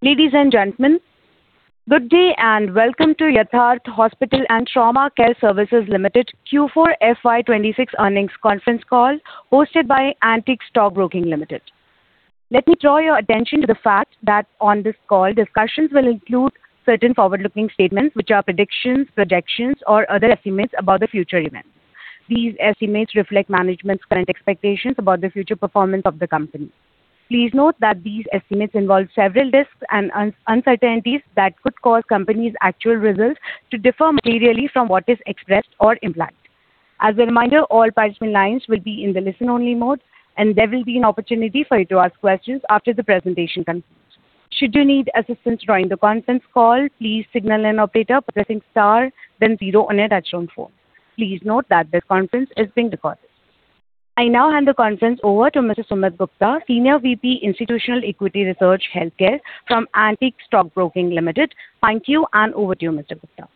Ladies and gentlemen, good day and welcome to Yatharth Hospital & Trauma Care Services Limited Q4 FY 2026 earnings conference call hosted by Antique Stock Broking Limited. Let me draw your attention to the fact that on this call, discussions will include certain forward-looking statements, which are predictions, projections, or other estimates about the future events. These estimates reflect management's current expectations about the future performance of the company. Please note that these estimates involve several risks and uncertainties that could cause company's actual results to differ materially from what is expressed or implied. As a reminder, all participant lines will be in the listen-only mode, and there will be an opportunity for you to ask questions after the presentation concludes. Should you need assistance during the conference call, please signal an operator by pressing star then zero on your telephone. Please note that this conference is being recorded. I now hand the conference over to Mr. Sumit Gupta, Senior VP, Institutional Equity Research, Healthcare from Antique Stock Broking Limited. Thank you, and over to you, Mr. Gupta.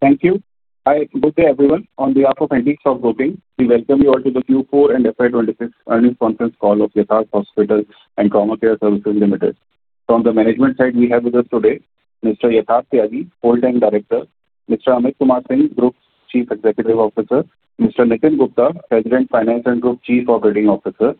Thank you. Hi, good day, everyone. On behalf of Antique Stock Broking, we welcome you all to the Q4 and FY 2026 earnings conference call of Yatharth Hospital & Trauma Care Services Limited. From the management side, we have with us today Mr. Yatharth Tyagi, Whole-Time Director; Mr. Amit Kumar Singh, Group Chief Executive Officer; Mr. Nitin Gupta, President, Finance and Chief Operating Officer;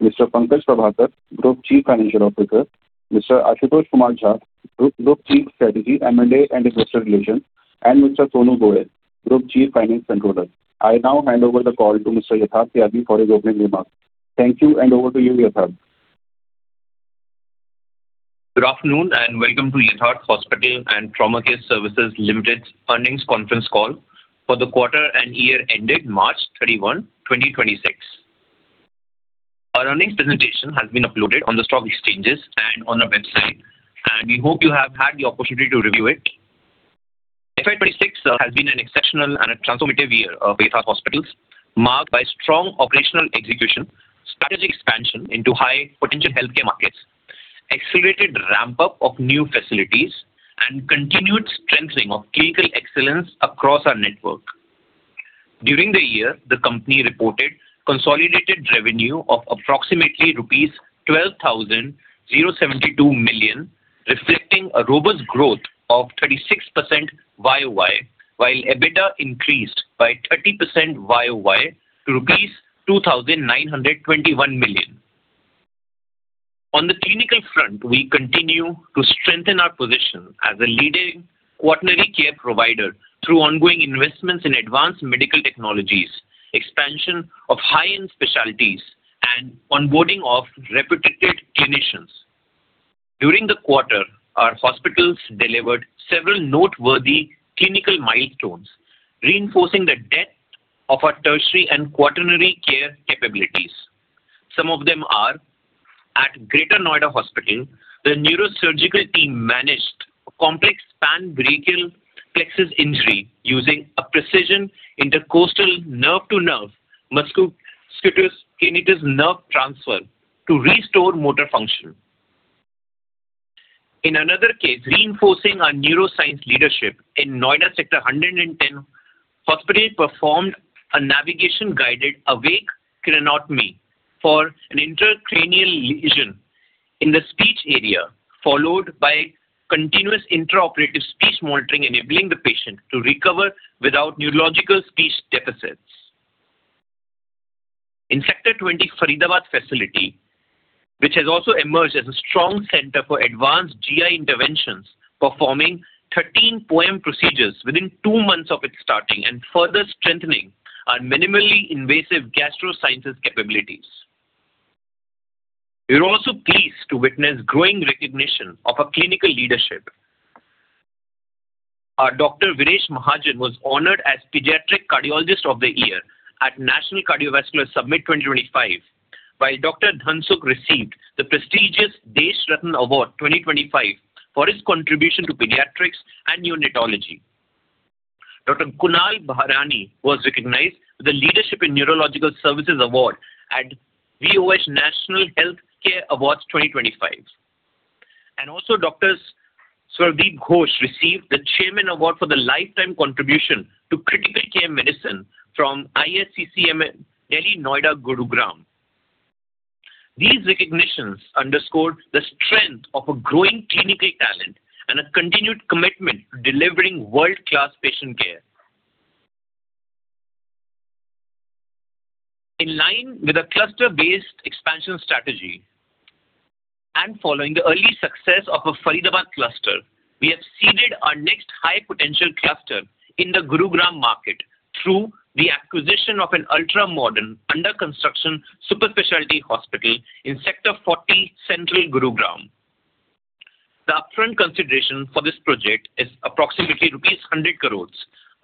Mr. Pankaj Prabhakar, Group Chief Financial Officer; Mr. Ashutosh Kumar Jha, Group Chief Strategy, M&A, and Investor Relations; and Mr. Sonu Goyal, Group Chief Finance Controller. I now hand over the call to Mr. Yatharth Tyagi for his opening remarks. Thank you, over to you, Yatharth. Good afternoon, welcome to Yatharth Hospital & Trauma Care Services Limited earnings conference call for the quarter and year ended March 21, 2026. Our earnings presentation has been uploaded on the stock exchanges and on our website. We hope you have had the opportunity to review it. FY 2026 has been an exceptional and a transformative year for Yatharth Hospitals, marked by strong operational execution, strategic expansion into high-potential health care markets, accelerated ramp-up of new facilities, and continued strengthening of clinical excellence across our network. During the year, the company reported consolidated revenue of approximately rupees 12,072 million, reflecting a robust growth of 36% YoY, while EBITDA increased by 30% YoY to INR 2,921 million. On the clinical front, we continue to strengthen our position as a leading quaternary care provider through ongoing investments in advanced medical technologies, expansion of high-end specialties, and onboarding of reputed clinicians. During the quarter, our hospitals delivered several noteworthy clinical milestones, reinforcing the depth of our tertiary and quaternary care capabilities. Some of them are at Greater Noida hospital, the neurosurgical team managed a complex pan-brachial plexus injury using a precision intercostal nerve-to-nerve musculocutaneous nerve transfer to restore motor function. In another case, reinforcing our neuroscience leadership in Noida Sector 110, hospital performed a navigation-guided awake craniotomy for an intracranial lesion in the speech area, followed by continuous intraoperative speech monitoring enabling the patient to recover without neurological speech deficits. In Sector 20, Faridabad facility, which has also emerged as a strong center for advanced GI interventions, performing 13 POEM procedures within two months of its starting and further strengthening our minimally invasive gastro sciences capabilities. We were also pleased to witness growing recognition of our clinical leadership. Our Dr. Viresh Mahajan was honored as Pediatric Cardiologist of the Year at National Cardiovascular Summit 2025, while Dr. Dhansukh received the prestigious Desh Ratna Award 2025 for his contribution to pediatrics and neonatology. Dr. Kunal Bahrani was recognized with the Leadership in Neurological Services Award at BW National Healthcare Awards 2025, and also Dr. Saurabh Ghosh received the Chairman Award for the Lifetime Contribution to Critical Care Medicine from ISCCM Delhi Noida Gurugram. These recognitions underscored the strength of our growing clinical talent and a continued commitment to delivering world-class patient care. In line with a cluster-based expansion strategy and following the early success of our Faridabad cluster, we have seeded our next high-potential cluster in the Gurugram market through the acquisition of an ultra-modern, under-construction super speciality hospital in Sector 40, central Gurugram. The upfront consideration for this project is approximately rupees 100 crore,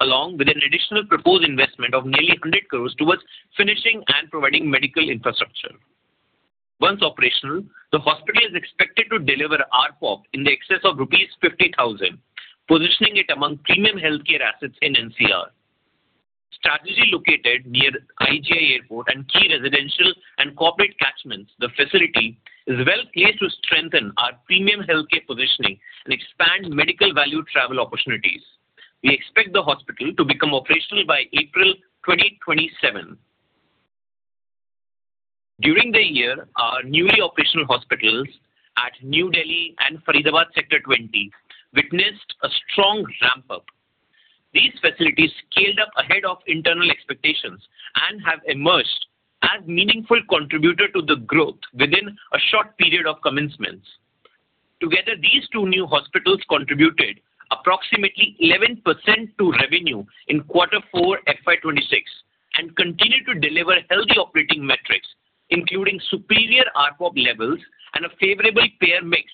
along with an additional proposed investment of nearly 100 crore towards finishing and providing medical infrastructure. Once operational, the hospital is expected to deliver ARPOB in the excess of 50,000 rupees, positioning it among premium healthcare assets in NCR. Strategically located near IGI Airport and key residential and corporate catchments, the facility is well-placed to strengthen our premium healthcare positioning and expand medical value travel opportunities. We expect the hospital to become operational by April 2027. During the year, our newly operational hospitals at New Delhi and Faridabad Sector 20 witnessed a strong ramp-up. These facilities scaled up ahead of internal expectations and have emerged as meaningful contributors to the growth within a short period of commencement. Together, these two new hospitals contributed approximately 11% to revenue in quarter four FY 2026 and continue to deliver healthy operating metrics, including superior ARPOB levels and a favorable payer mix,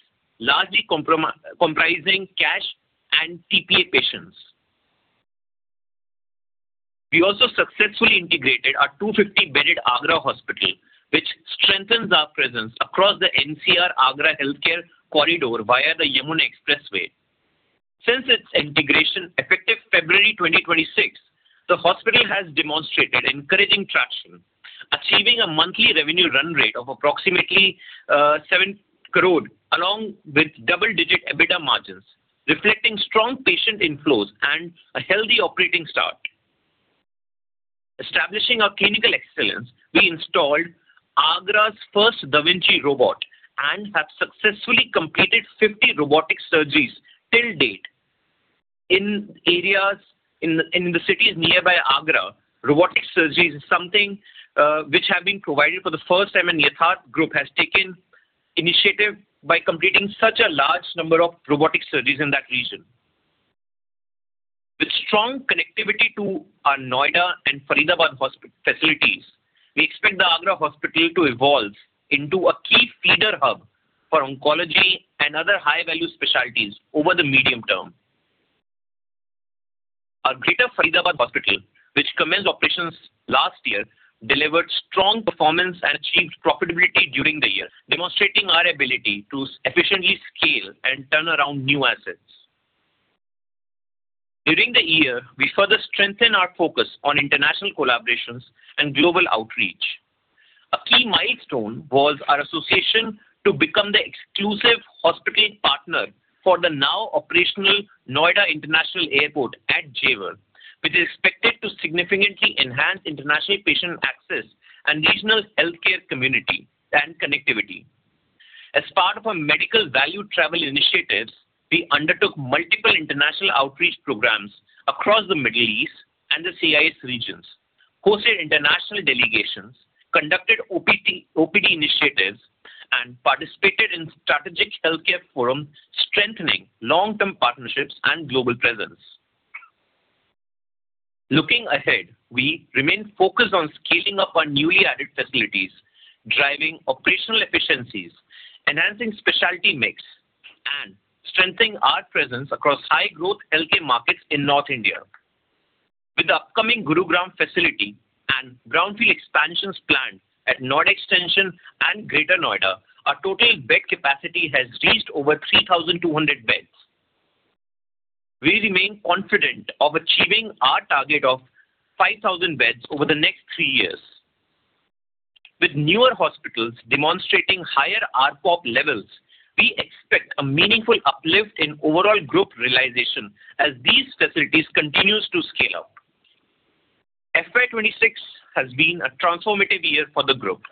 largely comprising cash and TPA patients. We also successfully integrated our 250-bedded Agra hospital, which strengthens our presence across the NCR-Agra healthcare corridor via the Yamuna Expressway. Since its integration effective February 2026, the hospital has demonstrated encouraging traction, achieving a monthly revenue run rate of approximately 70 crore, along with double-digit EBITDA margins, reflecting strong patient inflows and a healthy operating start. Establishing our clinical excellence, we installed Agra's first da Vinci robot and have successfully completed 50 robotic surgeries till date. In the cities nearby Agra, robotic surgery is something which have been provided for the first time, and Yatharth Group has taken initiative by completing such a large number of robotic surgeries in that region. With strong connectivity to our Noida and Faridabad facilities, we expect the Agra hospital to evolve into a key feeder hub for oncology and other high-value specialties over the medium term. Our Greater Faridabad hospital, which commenced operations last year, delivered strong performance and achieved profitability during the year, demonstrating our ability to efficiently scale and turn around new assets. During the year, we further strengthened our focus on international collaborations and global outreach. A key milestone was our association to become the exclusive hospital partner for the now operational Noida International Airport at Jewar, which is expected to significantly enhance international patient access and regional healthcare community and connectivity. As part of our medical value travel initiatives, we undertook multiple international outreach programs across the Middle East and the CIS regions, hosted international delegations, conducted OPD initiatives, and participated in strategic healthcare forums, strengthening long-term partnerships and global presence. Looking ahead, we remain focused on scaling up our newly added facilities, driving operational efficiencies, enhancing specialty mix, and strengthening our presence across high-growth healthcare markets in North India. With the upcoming Gurugram facility and brownfield expansions planned at Noida Extension and Greater Noida, our total bed capacity has reached over 3,200 beds. We remain confident of achieving our target of 5,000 beds over the next three years. With newer hospitals demonstrating higher ARPOB levels, we expect a meaningful uplift in overall group realization as these facilities continue to scale up. FY 2026 has been a transformative year for the group.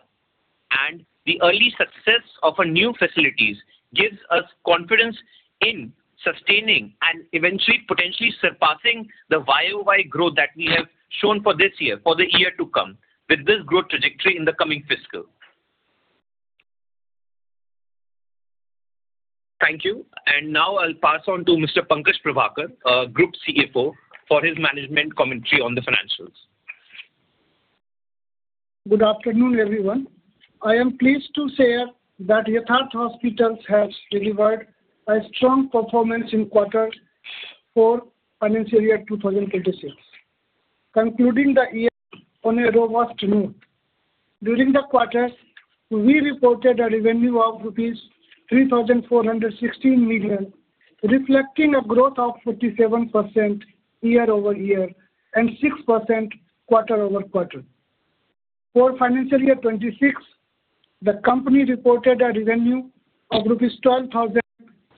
The early success of our new facilities gives us confidence in sustaining and eventually potentially surpassing the YoY growth that we have shown for this year, for the year to come, with this growth trajectory in the coming fiscal. Thank you. Now I'll pass on to Mr. Pankaj Prabhakar, our Group CFO, for his management commentary on the financials. Good afternoon, everyone. I am pleased to say that Yatharth Hospitals has delivered a strong performance in Q4, FY 2026, concluding the year on a robust note. During the quarter, we reported a revenue of rupees 3,416 million, reflecting a growth of 57% year-over-year and 6% quarter-over-quarter. For FY 2026, the company reported a revenue of rupees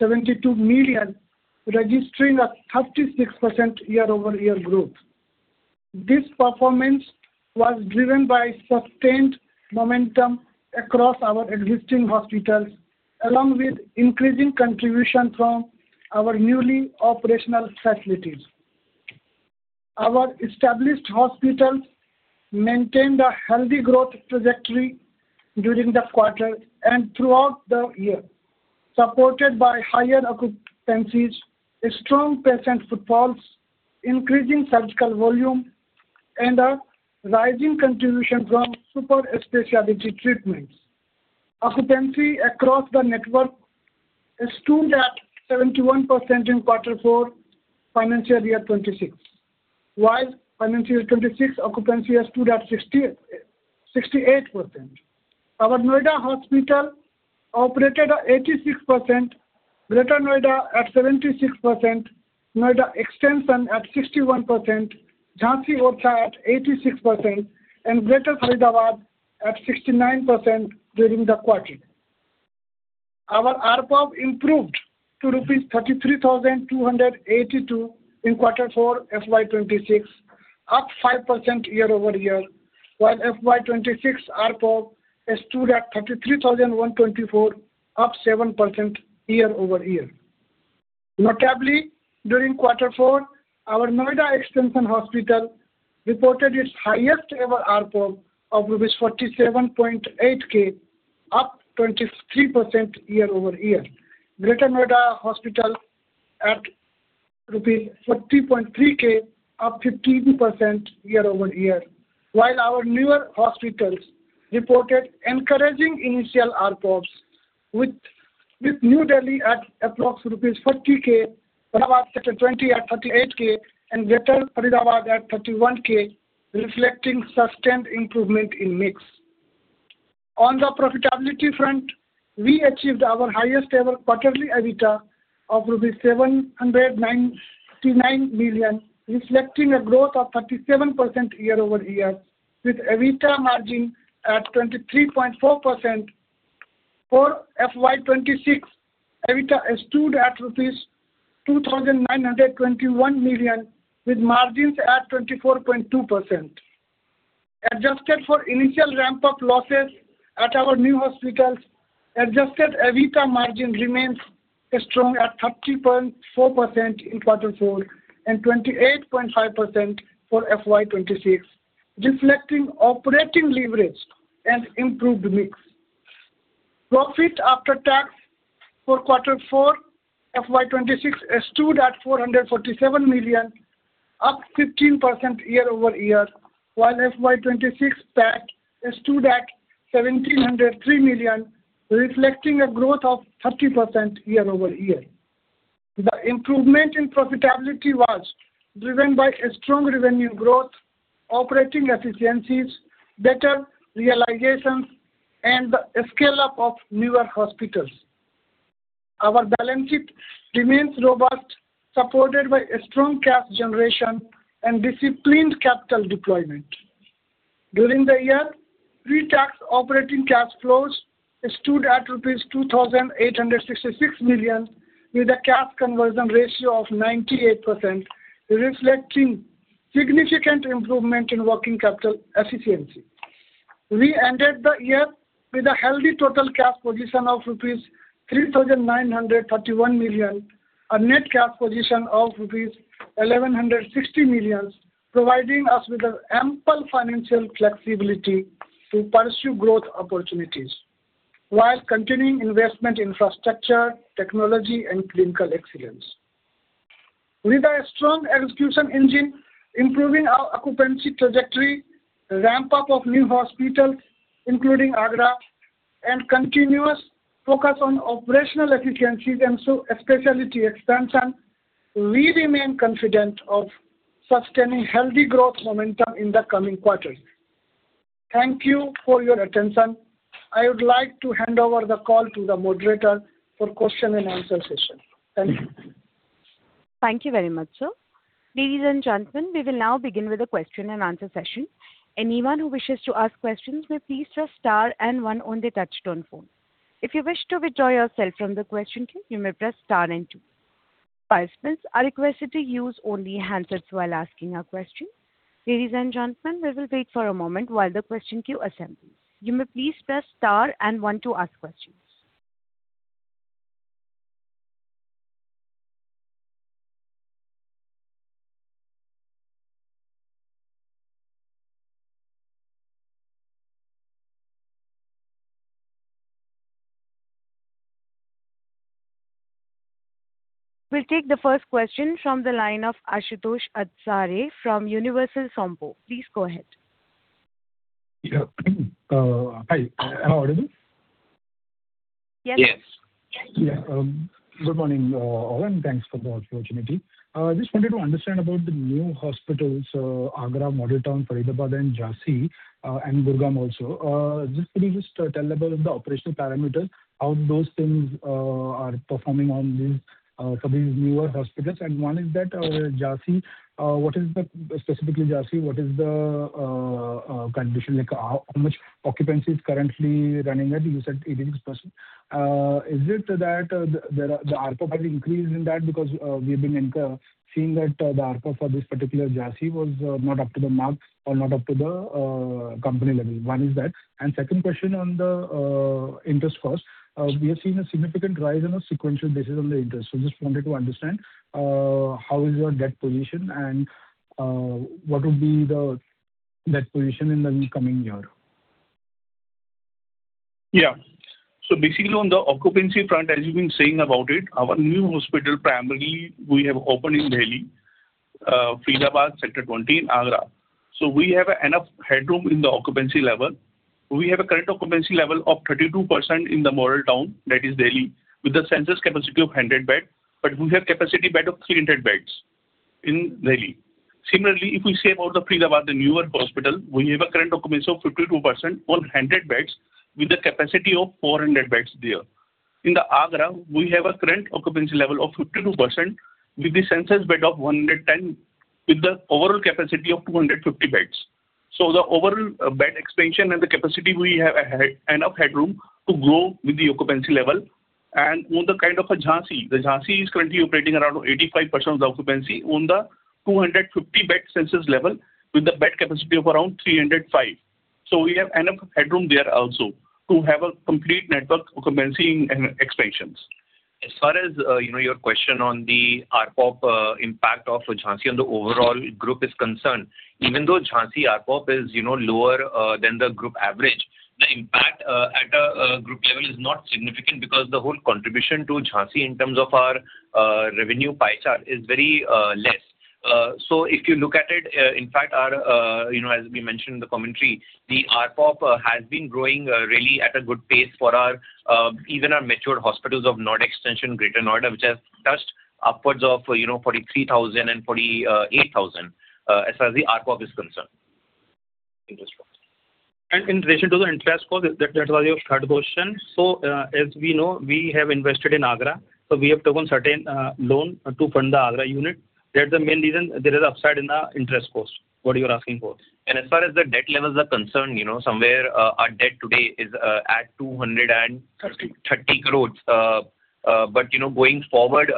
12,072 million, registering a 36% year-over-year growth. This performance was driven by sustained momentum across our existing hospitals, along with increasing contribution from our newly operational facilities. Our established hospitals maintained a healthy growth trajectory during the quarter and throughout the year, supported by higher occupancies, strong patient footfalls, increasing surgical volume, and a rising contribution from super specialty treatments. Occupancy across the network stood at 71% in Q4, FY 2026, while FY 2026 occupancy has stood at 68%. Our Noida hospital operated at 86%, Greater Noida at 76%, Noida Extension at 61%, Jhansi-Orchha at 86%, and Greater Faridabad at 69% during the quarter. Our ARPOB improved to rupees 33,282 in quarter four FY 2026, up 5% year-over-year, while FY 2026 ARPOB stood at INR 33,124, up 7% year-over-year. Notably, during quarter four, our Noida Extension hospital reported its highest-ever ARPOB of 47.8K, up 23% year-over-year. Greater Noida hospital at INR 30.3K, up 15% year-over-year. While our newer hospitals reported encouraging initial ARPOBs with New Delhi at approx 30,000, Faridabad Sector 20 at 38,000, and Greater Faridabad at 31,000, reflecting substantial improvement in mix. On the profitability front, we achieved our highest-ever quarterly EBITDA of rupees 799 million, reflecting a growth of 37% year-over-year, with EBITDA margin at 23.4%. For FY26, EBITDA stood at rupees 2,921 million with margins at 24.2%. Adjusted for initial ramp-up losses at our new hospitals, adjusted EBITDA margin remains strong at 30.4% in quarter four and 28.5% for FY26, reflecting operating leverage and improved mix. Profit after tax for quarter four FY26 stood at 447 million, up 15% year-over-year, while FY26 PAT stood at 1,703 million, reflecting a growth of 30% year-over-year. The improvement in profitability was driven by strong revenue growth, operating efficiencies, better realizations, and the scale-up of newer hospitals. Our balance sheet remains robust, supported by strong cash generation and disciplined capital deployment. During the year, pre-tax operating cash flows stood at rupees 2,866 million, with a cash conversion ratio of 98%, reflecting significant improvement in working capital efficiency. We ended the year with a healthy total cash position of rupees 3,931 million, a net cash position of rupees 1,160 million, providing us with ample financial flexibility to pursue growth opportunities while continuing investment in infrastructure, technology, and clinical excellence. With a strong execution engine, improving our occupancy trajectory, ramp-up of new hospitals, including Agra, and continuous focus on operational efficiency and specialty expansion, we remain confident of sustaining healthy growth momentum in the coming quarters. Thank you for your attention. I would like to hand over the call to the moderator for question and answer session. Thank you. Thank you very much, sir. Ladies and gentlemen, we will now begin with the question and answer session. Anyone who wishes to ask questions may please press star and one on their touchtone phone. If you wish to withdraw yourself from the question queue, you may press star and two. Participants are requested to use only handsets while asking a question. Ladies and gentlemen, let us wait for a moment while the question queue assembles. You may please press star and one to ask questions. We will take the first question from the line of Ashutosh Adsare from Universal Sompo. Please go ahead. Yeah. Hi. Loudly? Yes. Yeah. Good morning, all. Thanks for the opportunity. I just wanted to understand about the new hospitals, Agra, Model Town, Faridabad, and Jhansi, and Gurgaon also. Just could you just tell about the operational parameters, how those things are performing for these newer hospitals. One is that Jhansi, specifically Jhansi, what is the condition like? How much occupancy is currently running at? You said 18%. Is it that the ARPOB are increasing that because we've been seeing that the ARPOB for this particular Jhansi was not up to the mark or not up to the company level. One is that. Second question on the interest first. We are seeing a significant rise on a sequential basis on the interest. Just wanted to understand how is your debt position and what would be the debt position in the coming year. Yeah. Basically on the occupancy front, as you've been saying about it, our new hospital primarily we have opened in Delhi, Faridabad Sector 20, and Agra. We have enough headroom in the occupancy level. We have a current occupancy level of 32% in the Model Town that is Delhi, with a census capacity of 100 beds, but we have capacity bed of 300 beds in Delhi. Similarly, if we say about the Faridabad, the newer hospital, we have a current occupancy of 52% on 100 beds with a capacity of 400 beds there. In Agra, we have a current occupancy level of 52% with a census bed of 110 with an overall capacity of 250 beds. The overall bed expansion and the capacity, we have enough headroom to grow with the occupancy level. On the kind of a Jhansi, the Jhansi is currently operating around 85% of the occupancy on the 250 bed census level with the bed capacity of around 305. We have enough headroom there also to have a complete network of commencing expansions. As far as your question on the ARPOB impact of Jhansi on the overall group is concerned, even though Jhansi ARPOB is lower than the group average, the impact at a group level is not significant because the whole contribution to Jhansi in terms of our revenue pie chart is very less. If you look at it, in fact, as we mentioned in the commentary, the ARPOB has been growing really at a good pace for even our mature hospitals of Noida Extension and Greater Noida, which has touched upwards of 43,000 and 48,000 as far as the ARPOB is concerned. Interest cost. In relation to the interest cost, that was your third question. As we know, we have invested in Agra, so we have taken a certain loan to fund the Agra unit. That's the main reason there is upside in our interest cost, what you are asking for. As far as the debt levels are concerned, somewhere our debt today is at 200. 30. 30 crores. Going forward,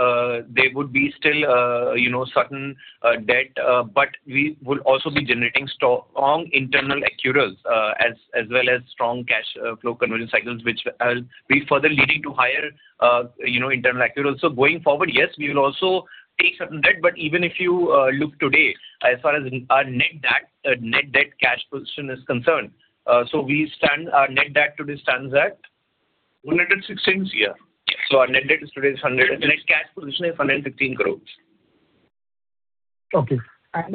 there would be still certain debt, but we will also be generating strong internal accruals, as well as strong cash flow conversion cycles, which will be further leading to higher internal accruals. Going forward, yes, we will also take certain debt, but even if you look today, as far as our net debt cash position is concerned, our net debt today stands at- 116. Yeah. our net cash position is 115 crores. Okay. Any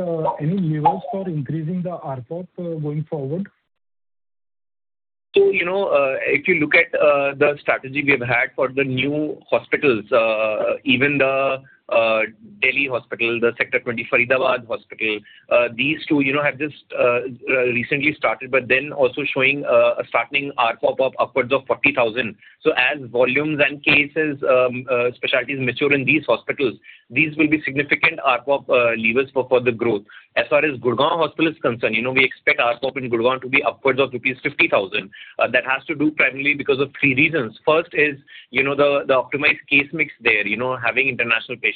levers for increasing the ARPOB going forward? If you look at the strategy we have had for the new hospitals, even the Delhi hospital, the Sector 20 Faridabad hospital, these two have just recently started, also showing a startling ARPOB of upwards of 40,000. As volumes and cases specialties mature in these hospitals, these will be significant ARPOB levers for further growth. As far as Gurgaon hospital is concerned, we expect ARPOB in Gurgaon to be upwards of rupees 50,000. That has to do primarily because of three reasons. First is the optimized case mix there, having international patients,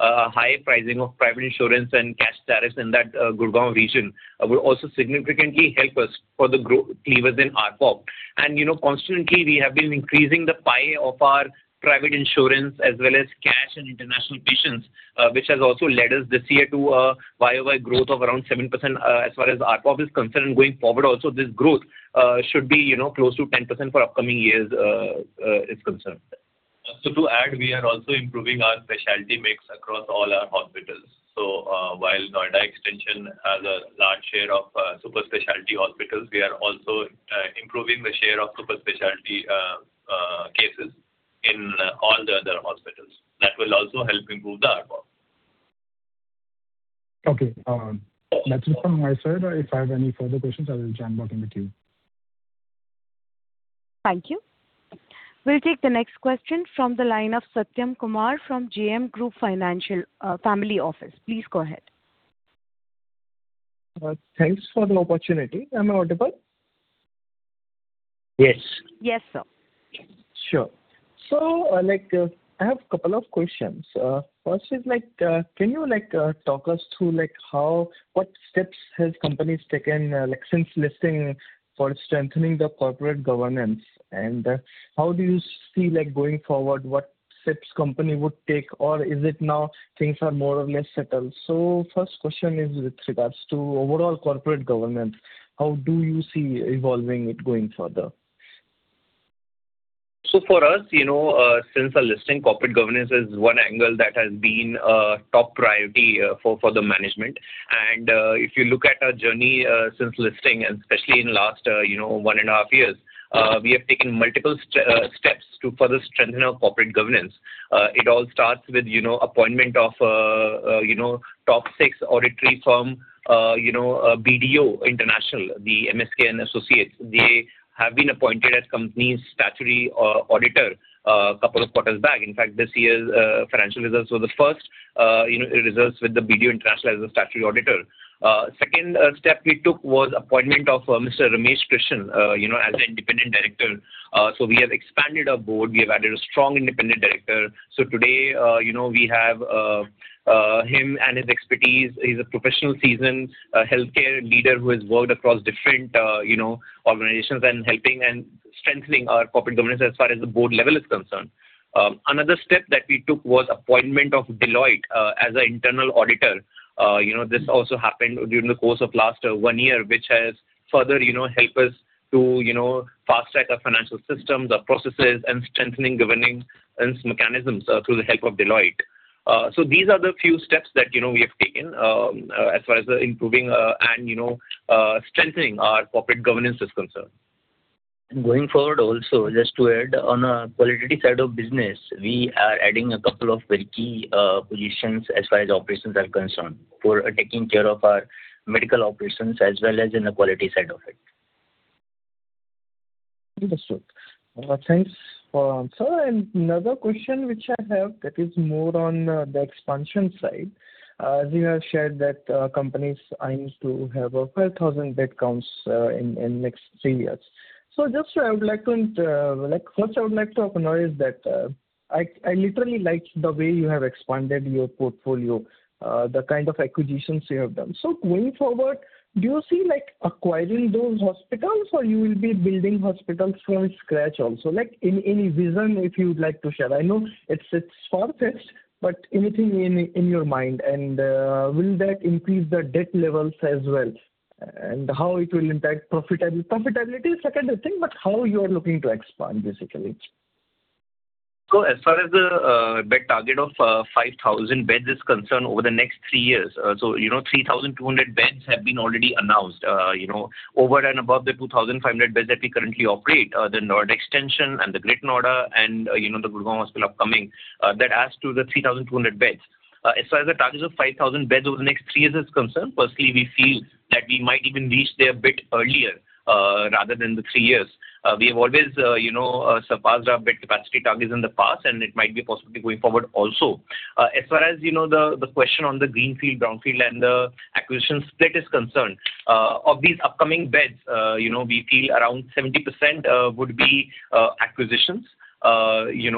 high pricing of private insurance and cash status in that Gurgaon region will also significantly help us for the growth levers in ARPOB. Constantly we have been increasing the pie of our private insurance as well as cash and international patients, which has also led us this year to a YoY growth of around 7%, as far as ARPOB is concerned. Going forward also, this growth should be close to 10% for upcoming years is concerned. To add, we are also improving our specialty mix across all our hospitals. While Noida Extension has a large share of super specialty hospitals, we are also improving the share of super specialty cases in all the other hospitals. That will also help improve the ARPOB. Okay. That's it from my side. If I have any further questions, I will join back in with you. Thank you. We'll take the next question from the line of Satyam Kumar from JM Group Financial Family Office. Please go ahead. Thanks for the opportunity. Am I audible? Yes. Yes, sir. Sure. I have a couple of questions. First is, can you talk us through what steps has companies taken since listing for strengthening the corporate governance, and how do you see, going forward, what steps company would take, or is it now things are more or less settled? First question is with regards to overall corporate governance, how do you see evolving it going further? For us, since our listing, corporate governance is one angle that has been a top priority for the management. If you look at our journey since listing, and especially in last one and a half years, we have taken multiple steps to further strengthen our corporate governance. It all starts with appointment of top six auditing firm, BDO International, MSKA & Associates LLP. They have been appointed as company's statutory auditor a couple of quarters back. In fact, this year's financial results were the first results with BDO International as the statutory auditor. Second step we took was appointment of Mr. Ramesh Krishnan as the independent director. We have expanded our board. We have added a strong independent director. Today, we have him and his expertise. He's a professional seasoned healthcare leader who has worked across different organizations and helping and strengthening our corporate governance as far as the board level is concerned. Another step that we took was appointment of Deloitte as our internal auditor. This also happened during the course of last one year, which has further helped us to fast-track our financial systems, our processes, and strengthening governance mechanisms through the help of Deloitte. These are the few steps that we have taken as far as improving and strengthening our corporate governance is concerned. Going forward also, just to add, on a qualitative side of business, we are adding a couple of very key positions as far as operations are concerned, for taking care of our medical operations as well as in the quality side of it. Another question which I have that is more on the expansion side. You have shared that company aims to have a 5,000 bed counts in next three years. First I would like to acknowledge that I literally liked the way you have expanded your portfolio, the kind of acquisitions you have done. Going forward, do you see acquiring those hospitals, or you will be building hospitals from scratch also? Any vision, if you would like to share. I know it's far-fetched, but anything in your mind. Will that increase the debt levels as well? How it will impact profitability. Profitability is second thing, but how you are looking to expand, basically. As far as the bed target of 5,000 beds is concerned over the next three years, 3,200 beds have been already announced. Over and above the 2,500 beds that we currently operate, the Noida extension and the Greater Noida and the Gurugram are still upcoming. That adds to the 3,200 beds. As far as the target of 5,000 beds over the next three years is concerned, personally, we feel that we might even reach there a bit earlier rather than the three years. We have always surpassed our bed capacity targets in the past, and it might be possible going forward also. As far as the question on the greenfield, brownfield, and the acquisition split is concerned, of these upcoming beds, we feel around 70% would be acquisitions,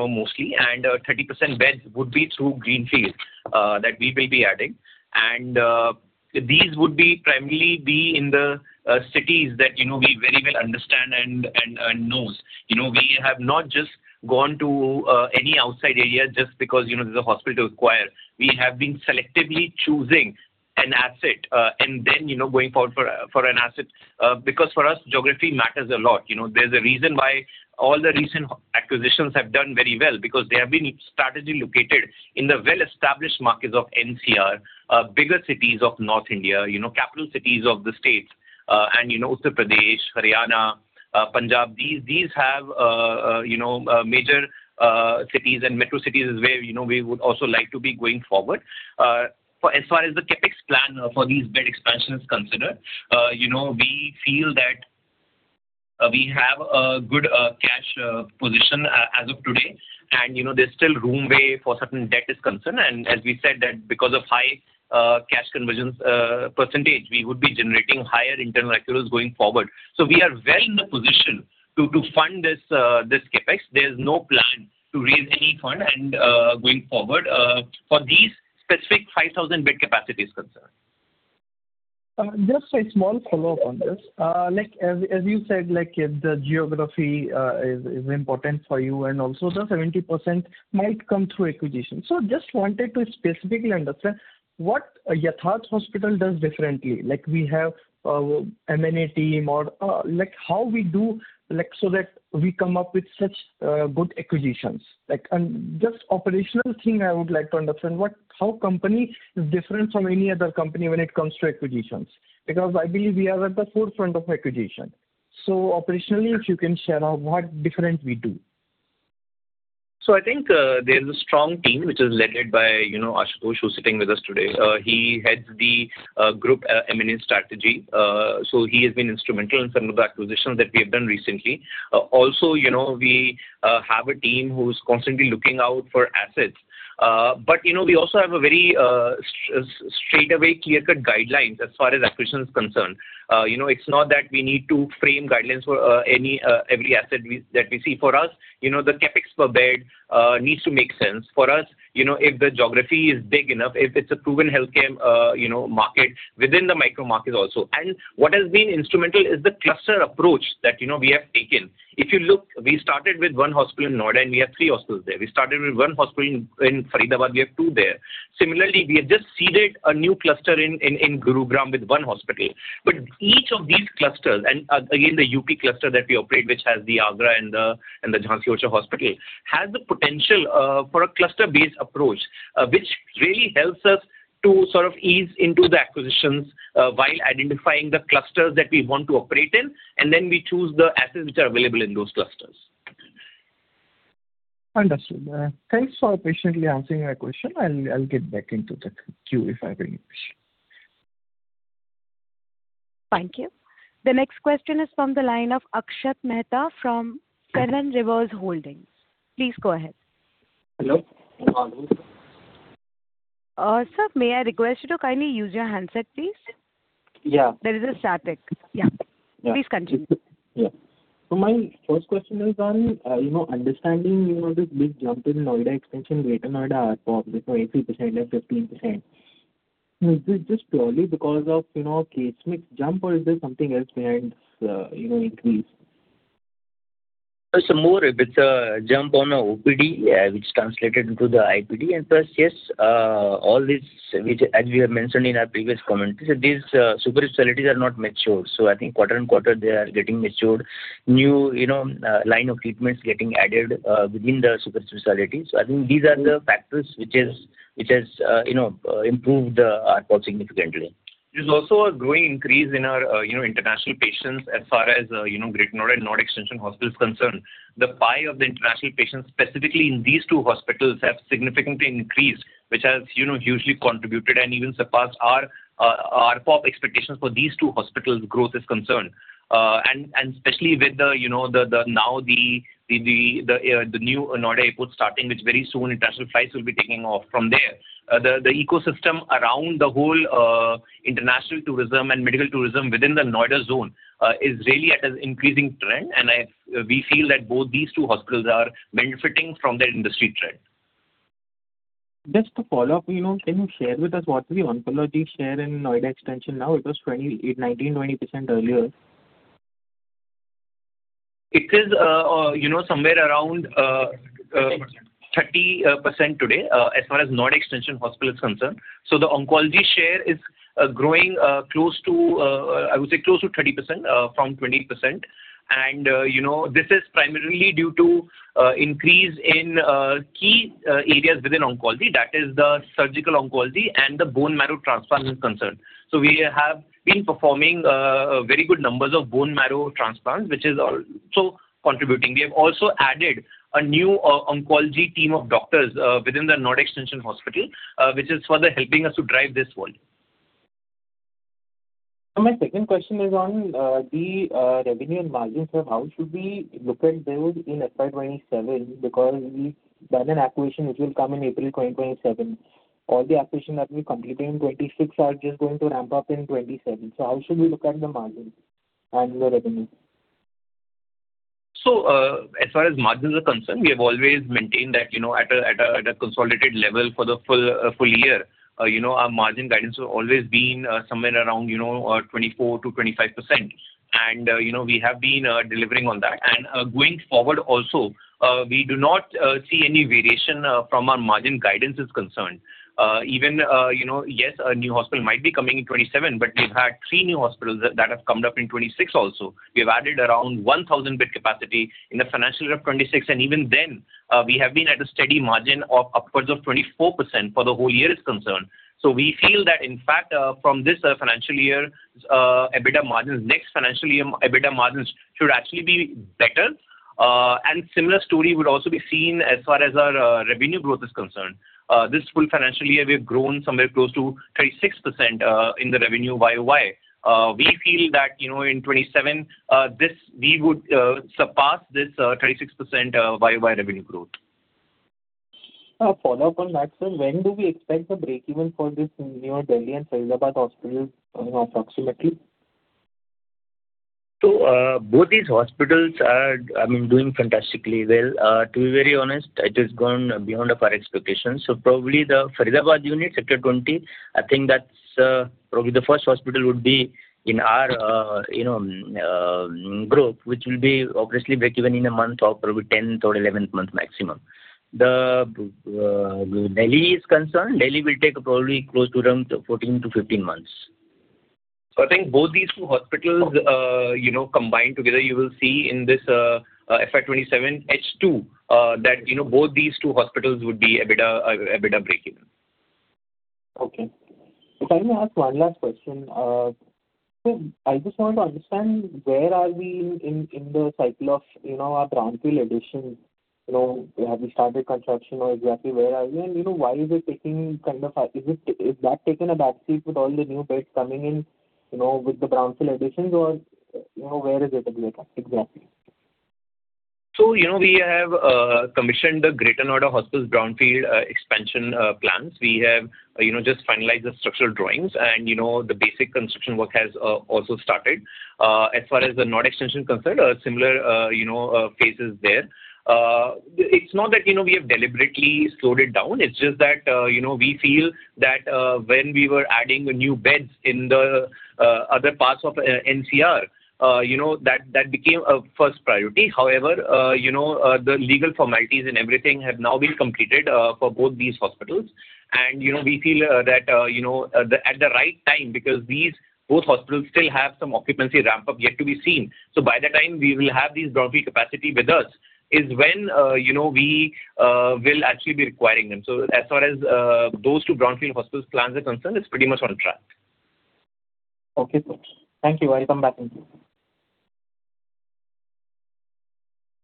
mostly, and 30% beds would be through greenfields that we will be adding. These would be primarily be in the cities that we very well understand and know. We have not just gone to any outside areas just because there's a hospital acquired. We have been selectively choosing an asset, and then going forward for an asset, because for us, geography matters a lot. There's a reason why all the recent acquisitions have done very well, because they have been strategically located in the well-established markets of NCR, bigger cities of North India, capital cities of the states. Uttar Pradesh, Haryana, Punjab, these have major cities and metro cities where we would also like to be going forward. As far as the CapEx plan for these bed expansions is considered, we feel that we have a good cash position as of today, and there's still room way for certain debt is concerned. As we said that because of high cash conversion percentage, we would be generating higher internal materials going forward. We are well in the position to fund this CapEx. There's no plan to raise any fund and going forward for these specific 5,000 bed capacity concern. Just a small follow-up on this. As you said, the geography is important for you and also the 70% might come through acquisition. Just wanted to specifically understand what a Yatharth Hospital does differently. We have M&A team or how we do so that we come up with such good acquisitions. Just operational thing I would like to understand how company is different from any other company when it comes to acquisitions, because I believe we are at the forefront of acquisition. Operationally, if you can share on what different we do. I think there's a strong team which is led by Ashutosh Kumar Jha, who's sitting with us today. He heads the group M&A strategy. He has been instrumental in some of the acquisitions that we have done recently. Also, we have a team who is constantly looking out for assets. We also have a very straightaway clear-cut guidelines as far as acquisition is concerned. It's not that we need to frame guidelines for every asset that we see. For us, the CapEx per bed needs to make sense. For us, if the geography is big enough, if it's a proven healthcare market within the micro market also. What has been instrumental is the cluster approach that we have taken. If you look, we started with one hospital in Noida, and we have three hospitals there. We started with one hospital in Faridabad, we have two there. Similarly, we have just seeded a new cluster in Gurugram with one hospital. Each of these clusters, and again, the UP cluster that we operate, which has the Agra and the Jhansi hospital, has the potential for a cluster-based approach, which really helps us to sort of ease into the acquisitions while identifying the clusters that we want to operate in, and then we choose the assets that are available in those clusters. Understood. Thanks for patiently answering my question. I'll get back into the queue if I have any question. Thank you. The next question is from the line of Akshat Mehta from Seven Rivers Holdings. Please go ahead. Hello. Sir, may I request you to kindly use your handset, please? Yeah. There is a static. Yeah. Please continue. Yeah. My first question is on understanding this big jump in Noida Extension, Greater Noida ARPO from 8%-15%. Is this just purely because of a case mix jump or is there something else behind this increase? More with the jump on OPD, which translated into the IPD. Plus, yes, all these, which as you have mentioned in our previous comments, these super specialties are not mature. I think quarter on quarter, they are getting mature, new line of treatments getting added within the super specialties. I think these are the factors which has improved the ARPO significantly. There's also a growing increase in our international patients as far as Greater Noida and Noida Extension Hospital is concerned. The pie of the international patients specifically in these two hospitals has significantly increased, which has hugely contributed and even surpassed our ARPO expectations for these two hospitals' growth is concerned. Especially with the new Noida airport starting, it is very soon international flights will be taking off from there. The ecosystem around the whole international tourism and medical tourism within the Noida zone is really at an increasing trend, and we feel that both these two hospitals are benefiting from that industry trend. Just to follow up, can you share with us what the oncology share in Noida Extension now? It was 19%, 20% earlier. It is somewhere around 30% today, as far as Noida Extension Hospital is concerned. The oncology share is growing close to 30%, from 20%. This is primarily due to increase in key areas within oncology, that is the surgical oncology and the bone marrow transplant is concerned. We have been performing very good numbers of bone marrow transplant, which is also contributing. We have also added a new oncology team of doctors within the Noida Extension Hospital, which is further helping us to drive this volume. My second question is on the revenue and margins. How should we look at those in FY 2027? We've done an acquisition which will come in April 2027. All the acquisitions that we completed in 2026 are just going to ramp up in 2027. How should we look at the margins and the revenue? As far as margins are concerned, we have always maintained that at a consolidated level for the full year, our margin guidance has always been somewhere around 24%-25%. We have been delivering on that. Going forward also, we do not see any variation from our margin guidance is concerned. Even, yes, a new hospital might be coming in FY 2027, but we've had three new hospitals that have come up in FY 2026 also. We've added around 1,000 bed capacity in the financial year of FY 2026, and even then, we have been at a steady margin of upwards of 24% for the whole year is concerned. We feel that in fact, from this financial year EBITDA margins, next financial year EBITDA margins should actually be better. Similar story would also be seen as far as our revenue growth is concerned. This full financial year, we've grown somewhere close to 36% in the revenue YoY. We feel that in FY 2027, we would surpass this 36% YoY revenue growth. A follow-up on that. When do we expect a breakeven for this New Delhi and Faridabad hospitals approximately? Both these hospitals are doing fantastically well. To be very honest, it has gone beyond our expectations. Probably the Faridabad unit, Sector 20, I think that's probably the first hospital would be in our group, which will be obviously breaking even in a month or probably 10 or 11 months maximum. Where Delhi is concerned, Delhi will take probably close to around 14 to 15 months. I think both these two hospitals combined together, you will see in this FY 2027 H2 that both these two hospitals would be EBITDA breakeven. Okay. Can I ask one last question? I just want to understand where are we in the cycle of our brownfield additions. Have you started construction, or exactly where are we? Is that taking a backseat with all the new beds coming in with the brownfield additions, or where is it at the breakout exactly? We have commissioned the Greater Noida Hospital brownfield expansion plans. We have just finalized the structural drawings, and the basic construction work has also started. As far as the Noida Extension is concerned, a similar phase is there. It's not that we have deliberately slowed it down. It's just that we feel that when we were adding new beds in the other parts of NCR, that became a first priority. However, the legal formalities and everything have now been completed for both these hospitals. We feel that at the right time, because both hospitals still have some occupancy ramp-up yet to be seen. By the time we will have these brownfield capacity with us is when we will actually be requiring them. As far as those two brownfield hospitals plans are concerned, it's pretty much on track. Okay. Thank you. I will come back.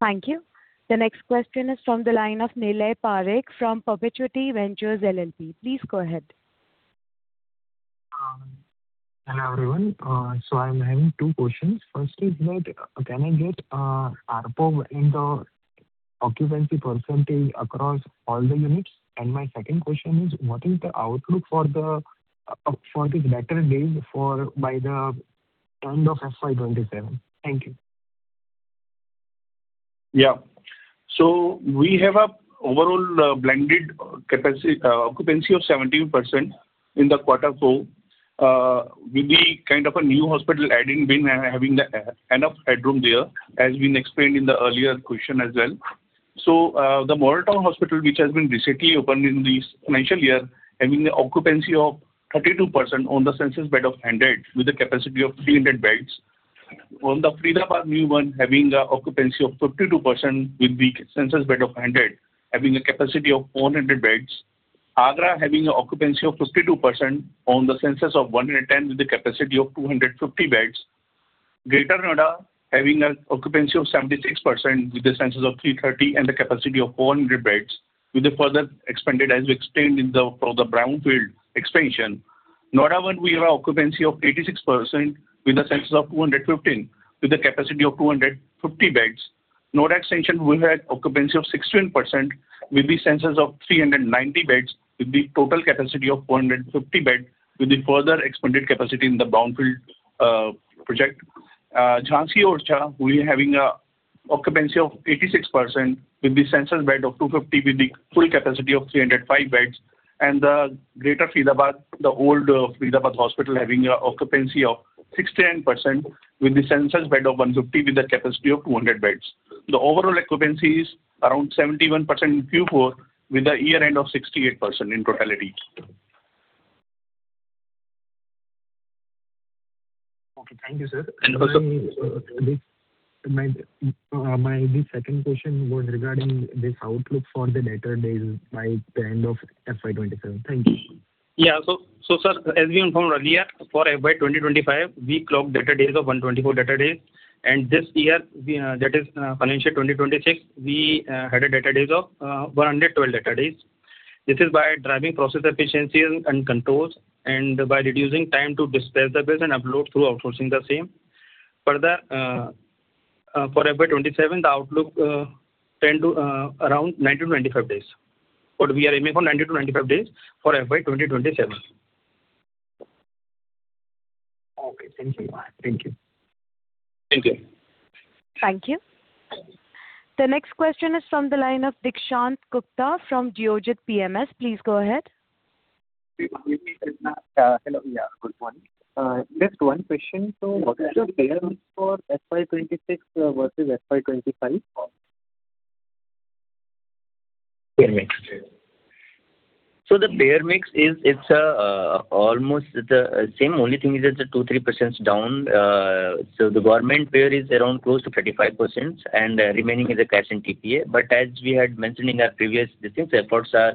Thank you. The next question is from the line of Nilay Parekh from Perpetuity Ventures LLP. Please go ahead. Hello, everyone. I'm having two questions. First is that can I get ARPO in the occupancy percentage across all the units? My second question is, what is the outlook for the better days by the end of FY 2027? Thank you. Yeah. We have a overall blended occupancy of 17% in the quarter four. With the kind of a new hospital adding wing and having enough headroom there, as we explained in the earlier question as well. The Model Town hospital, which has been recently opened in this financial year, having an occupancy of 32% on the census bed of 100, with a capacity of 300 beds On the Faridabad new one having an occupancy of 52% with the census bed of 100, having a capacity of 400 beds. Agra having an occupancy of 52% on the census of 110 with a capacity of 250 beds. Greater Noida having an occupancy of 76% with a census of 330 and a capacity of 400 beds with a further expanded, as explained from the brownfield expansion. Noida One, we have an occupancy of 86% with a census of 215, with a capacity of 250 beds. Noida extension, we have occupancy of 16% with the census of 390 beds, with the total capacity of 450 beds, with the further expanded capacity in the brownfield project. Jhansi-Orchha, we're having an occupancy of 86% with a census bed of 250, with the full capacity of 305 beds, and the greater Faridabad, the old Faridabad hospital, having an occupancy of 69% with a census bed of 150, with a capacity of 200 beds. The overall occupancy is around 71% in Q4 with a year-end of 68% in totality. Okay. Thank you, sir. Also my second question was regarding this outlook for the debtor days by the end of FY 2027. Thank you. Sir, as we informed earlier, for FY 2025, we clocked debtor days of 124 debtor days. This year, that is FY 2026, we had a debtor days of 112 debtor days. This is by driving process efficiencies and controls and by reducing time to dispatch the bills and upload through outsourcing the same. For FY 2027, the outlook, 10 to around 90-95 days. We are aiming for 90-95 days for FY 2027. Okay, thank you. Thank you. Thank you. The next question is from the line of [Dikshant Gupta] from Geojit PMS. Please go ahead. Hello. Yeah. Just one question. What is the payer mix for FY 2026 versus FY 2025? Payer mix. The payer mix is almost the same. Only thing is it's 2%-3% down. The government payer is around close to 35% and the remaining is the cash and TPA. As we had mentioned in our previous discussions, efforts are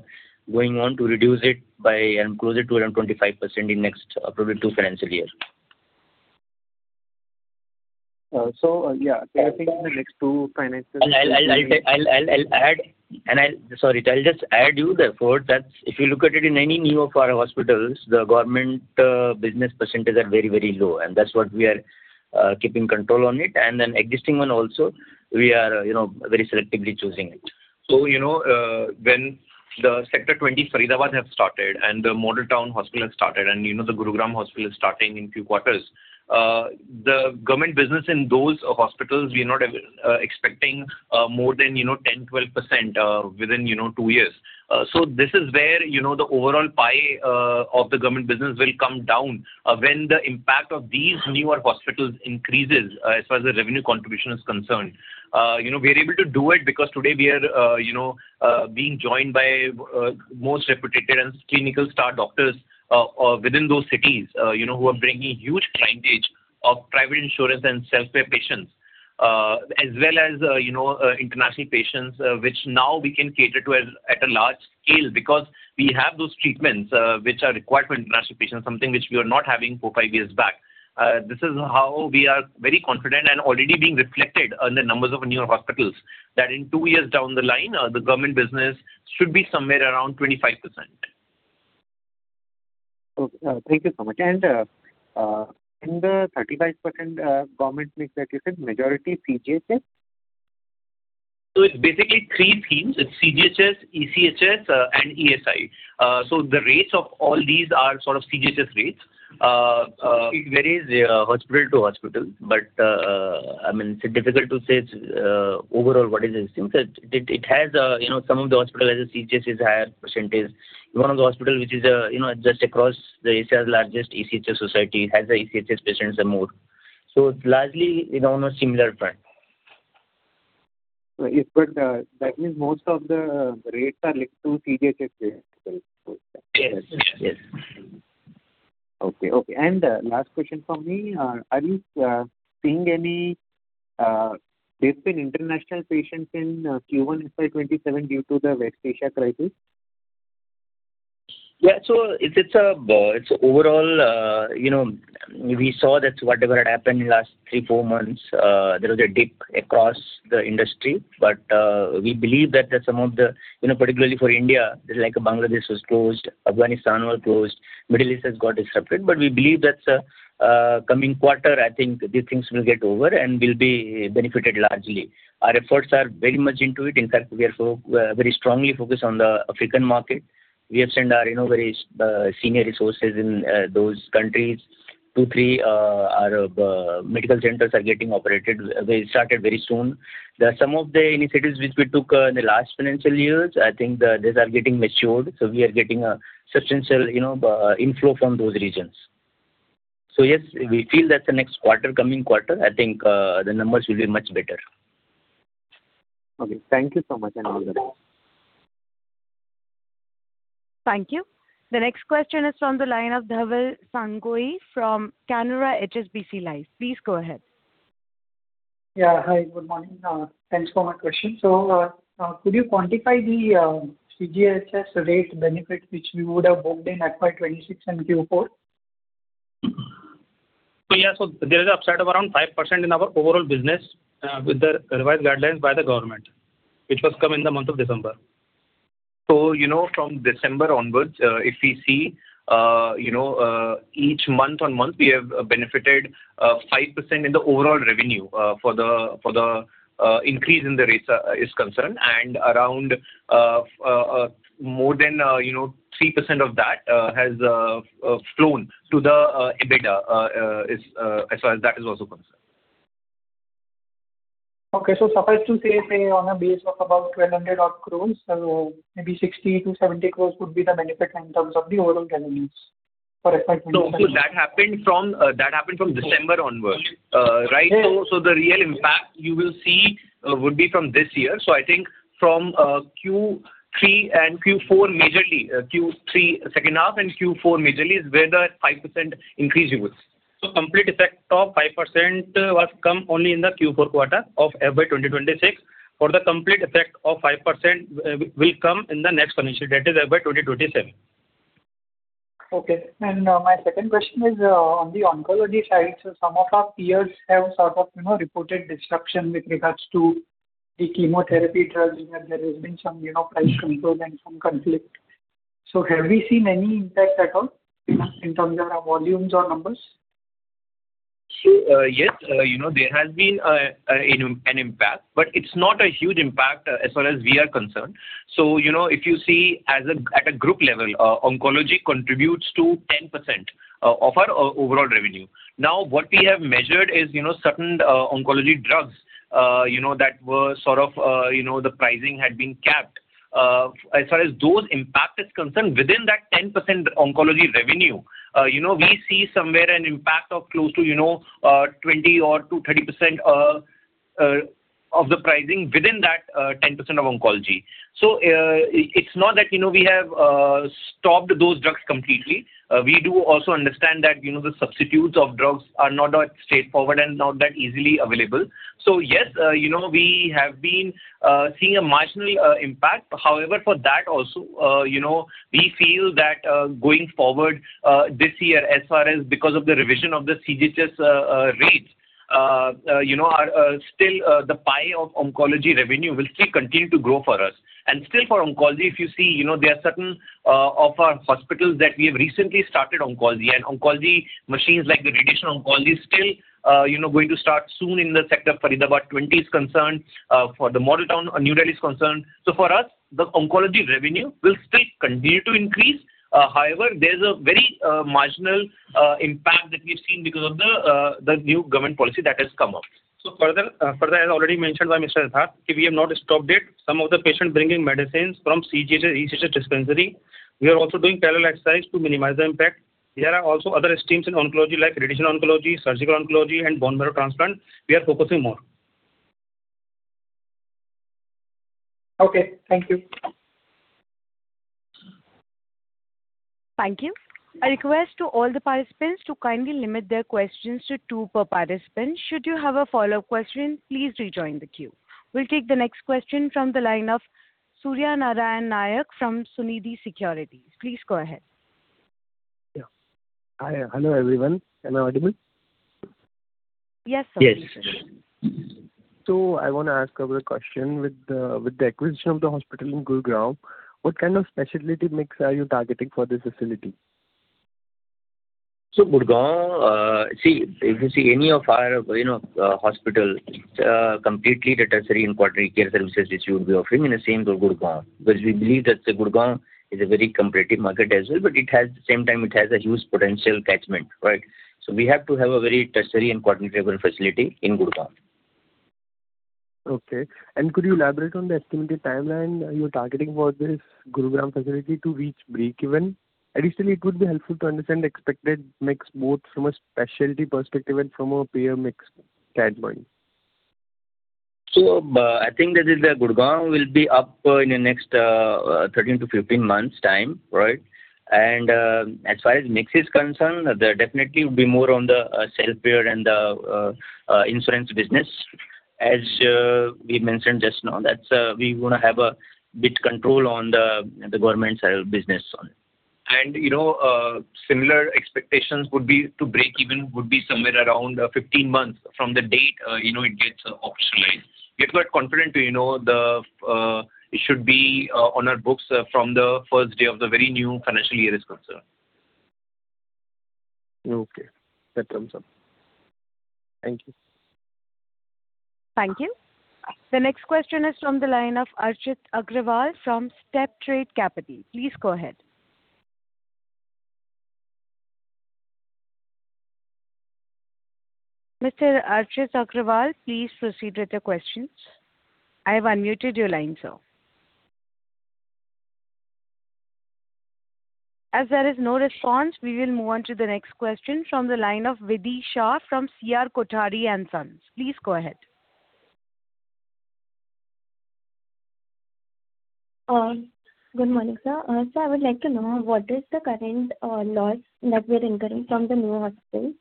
going on to reduce it by and close it to around 25% in next probably two financial years. Yeah, I think in the next two finances- I'll add Sorry, can I just add you therefore, that if you look at it in any of our hospitals, the government business percentage are very low, and that's what we are keeping control on it. Existing one also, we are very selectively choosing it. When the Sector 20 Faridabad has started and the Model Town hospital has started and the Gurugram hospital is starting in two quarters, the government business in those hospitals, we are not expecting more than 10%-12% within two years. This is where the overall pie of the government business will come down when the impact of these newer hospitals increases as far as the revenue contribution is concerned. We're able to do it because today we are being joined by most reputed and clinical star doctors within those cities who are bringing huge clientage of private insurance and self-pay patients, as well as international patients, which now we can cater to at a large scale because we have those treatments which are required for international patients, something which we were not having four, five years back. This is how we are very confident and already being reflected in the numbers of new hospitals, that in two years down the line, the government business should be somewhere around 25%. Okay. Thank you so much. In the 35% government mix that you said, majority CGHS? It's basically three themes. It's CGHS, ECHS, and ESIC. The rates of all these are sort of CGHS rates. It varies hospital to hospital, but it's difficult to say overall what is it. Some of the hospital has a CGHS higher percentage. One of the hospital, just because it's the largest ECHS society, has the ECHS patients some more. It's largely on a similar front. That means most of the rates are linked to CGHS rates. Yes. Okay. Last question from me. Are you seeing any dip in international patients in Q1 FY 2027 due to the West Asia crisis? Yeah. Overall, we saw that whatever happened in last three, four months, there was a dip across the industry. We believe that some of the, particularly for India, like Bangladesh was closed, Afghanistan was closed, Middle East has got affected. We believe that coming quarter, I think these things will get over, and we'll be benefited largely. Our efforts are very much into it. In fact, we are very strongly focused on the African market. We have sent our very senior resources in those countries. Two, three medical centers are getting operated. They'll start very soon. There are some of the initiatives which we took in the last financial years. I think these are getting matured. We are getting a substantial inflow from those regions. Yes, we feel that the next quarter, coming quarter, I think, the numbers will be much better. Okay, thank you so much. Thank you. The next question is from the line of Deven Sangoi from Canara HSBC Life. Please go ahead. Hi, good morning. Thanks for my question. Could you quantify the CGHS rate benefit which we would have booked in FY 2026 and Q4? Yeah. There's an upside of around 5% in our overall business with the revised guideline by the government, which was come in the month of December. From December onwards, if we see, each month-on-month, we have benefited 5% in the overall revenue for the increase in the rates is concerned and around more than 3% of that has flown to the EBITDA as far as that is also concerned. Okay. Roughly to say on a base of about 1,200 odd crores, so maybe 60 crores-70 crores would be the benefit in terms of the overall revenues for FY 2026. Of course, that happened from December onwards. Right. The real impact you will see would be from this year. I think from Q3 and Q4 majorly, Q3 second half and Q4 majorly is where the 5% increase you will see. Complete effect of 5% was come only in the Q4 quarter of FY 2026, for the complete effect of 5% will come in the next financial, that is FY 2027. Okay. My second question is on the oncology side. Some of our peers have sort of reported disruption with regards to the chemotherapy drugs and there has been some price control and some conflict. Have we seen any impact at all in terms of our volumes or numbers? There has been an impact, it's not a huge impact as far as we are concerned. If you see at a group level, oncology contributes to 10% of our overall revenue. What we have measured is certain oncology drugs, the pricing had been capped. As far as those impact is concerned, within that 10% oncology revenue, we see somewhere an impact of close to 20% or to 30% of the pricing within that 10% of oncology. It's not that we have stopped those drugs completely. We do also understand that the substitutes of drugs are not that straightforward and not that easily available. We have been seeing a marginal impact. For that also, we feel that going forward this year as far as because of the revision of the CGHS rates, still the pie of oncology revenue will still continue to grow for us. Still for oncology, if you see, there are certain of our hospitals that we have recently started oncology and oncology machines like the radiation oncology still going to start soon in the sector Faridabad 20 is concerned, for the Model Town, New Delhi, is concerned. For us, the oncology revenue will still continue to increase. There's a very marginal impact that we've seen because of the new government policy that has come up. Further, as I already mentioned, like I said, we have not stopped it. Some of the patients bringing medicines from CGHS, e-CGHS dispensary. We are also doing parallel exercise to minimize the impact. There are also other streams in oncology like radiation oncology, surgical oncology and bone marrow transplant, we are focusing more. Okay. Thank you. Thank you. I request to all the participants to kindly limit their questions to two per participant. Should you have a follow-up question, please rejoin the queue. We'll take the next question from the line of Surya Narayan Nayak from Sunidhi Securities. Please go ahead. Yeah. Hello, everyone. Am I audible? Yes. Yes. I want to ask a couple of questions. With the acquisition of the hospital in Gurgaon, what kind of specialty mix are you targeting for this facility? Gurgaon, if you see any of our hospital, completely tertiary and quaternary care services which we would be offering and the same for Gurgaon. We believe that Gurgaon is a very competitive market as well, but at the same time, it has a huge potential catchment. Right. We have to have a very tertiary and quaternary care facility in Gurgaon. Okay. Could you elaborate on the estimated timeline you are targeting for this Gurgaon facility to reach breakeven? Additionally, it could be helpful to understand the expected mix both from a specialty perspective and from a payer mix standpoint. I think that Gurgaon will be up in the next 13-15 months' time. Right. As far as mix is concerned, that definitely will be more on the self-payer and the insurance business. As we mentioned just now, that we want to have a tight control on the government side of business on it. Similar expectations to breakeven would be somewhere around 15 months from the date it gets operational. We are quite confident it should be on our books from the first day of the very new financial year is concerned. Okay. That sums up. Thank you. Thank you. The next question is from the line of Archit Aggarwal from StepTrade Capital. Please go ahead. Mr. Archit Aggarwal, please proceed with your questions. I have unmuted your line, sir. As there is no response, we will move on to the next question from the line of Vidhi Shah from C.R. Kothari & Sons. Please go ahead. Good morning, sir. I would like to know what is the current loss that we are incurring from the new hospital,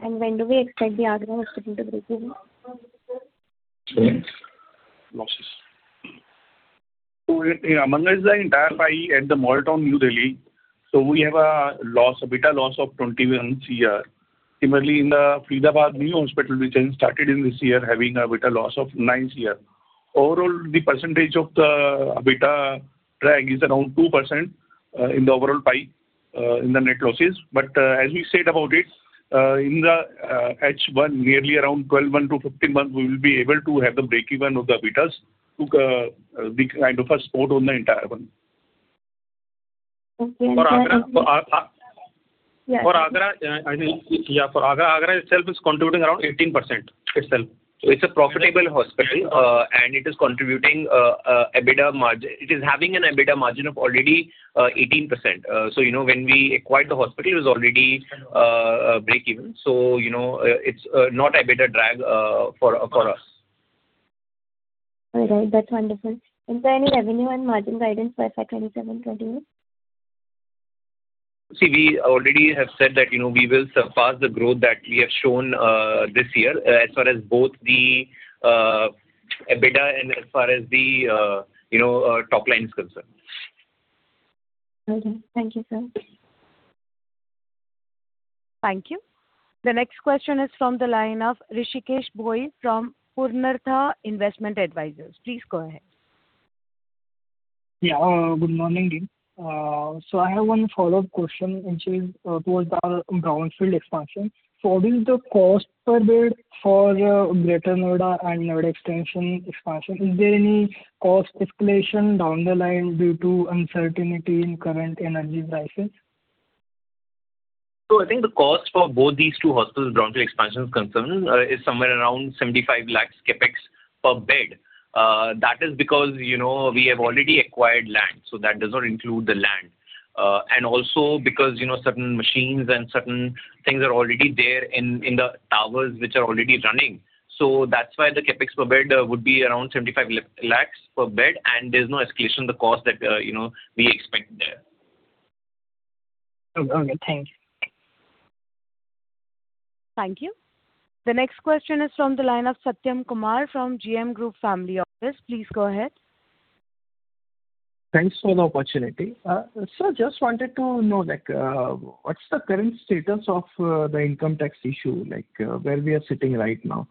and when do we expect the earnings to be visible? Losses. Among the entire pie at the Model Town New Delhi, we have a EBITDA loss of 21 crore. Similarly, in the Faridabad new hospital, which has started in this year, having a EBITDA loss of 9 crore. Overall, the percentage of the EBITDA drag is around 2% in the overall pie in the net losses. As we said about it, in the H1, nearly around 12 months to 15 months, we will be able to have a breakeven of the EBITDA to be kind of a spot on the entire one. Okay. For Agra itself, it is contributing around 18% itself. It's a profitable hospital, and it is contributing EBITDA margin. It is having an EBITDA margin of already 18%. When we acquired the hospital, it was already breakeven. It's not EBITDA drag for us. All right. That's wonderful. Finally, revenue and margin guidance for FY 2027, 2028? We already have said that we will surpass the growth that we have shown this year as far as both the EBITDA and as far as the top line is concerned. Thank you, sir. Thank you. The next question is from the line of Rushikesh Bhoi from Purnartha Investment Advisors. Please go ahead. Yeah. Good morning. I have one follow-up question, which is towards our brownfield expansion. What is the cost per bed for Greater Noida and Noida extension expansion? Is there any cost escalation down the line due to uncertainty in current energy prices? I think the cost for both these two hospitals, brownfield expansion is concerned, is somewhere around 75 lakhs CapEx per bed. That is because we have already acquired land, so that does not include the land. Also because certain machines and certain things are already there in the towers which are already running. That's why the CapEx per bed would be around 75 lakhs per bed, and there's no escalation in the cost that we expect there. Okay, thanks. Thank you. The next question is from the line of Satyam Kumar from JM Group Financial Family Office. Please go ahead. Thanks for the opportunity. Sir, just wanted to know, what's the current status of the income tax issue, where we are sitting right now?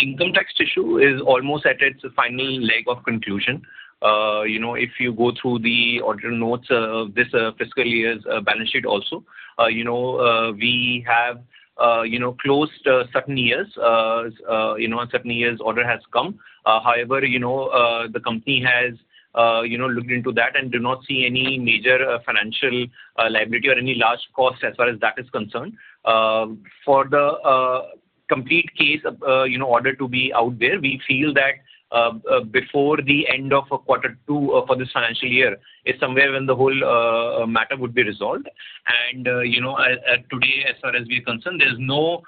Income tax issue is almost at its final leg of conclusion. If you go through the audit notes of this fiscal year's balance sheet also, we have closed certain years. Certain years' audit has come. The company has looked into that and do not see any major financial liability or any large cost as far as that is concerned. For the complete case audit to be out there, we feel that before the end of quarter two for this financial year is somewhere when the whole matter would be resolved. Today, as far as we're concerned, there's no